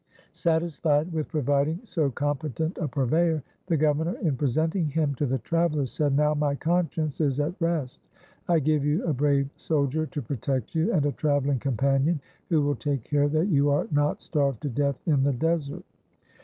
Satisfied with providing so competent a purveyor, the governor, in presenting him to the travellers, said; "Now my conscience is at rest! I give you a brave soldier to protect you, and a travelling companion who will take care that you are not starved to death in the desert."